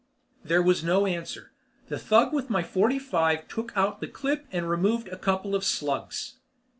There was no answer. The thug with my forty five took out the clip and removed a couple of slugs.